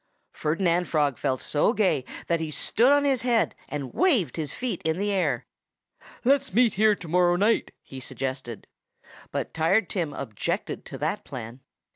Ferdinand Frog felt so gay that he stood on his head and waved his feet in the air. "Let's meet here to morrow night," he suggested. But Tired Tim objected to that plan.